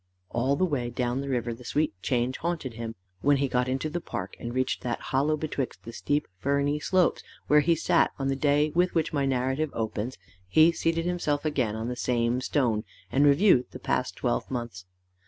All the way down the river, the sweet change haunted him. When he got into the park, and reached that hollow betwixt the steep ferny slopes where he sat on the day with which my narrative opens, he seated himself again on the same stone, and reviewed the past twelve months.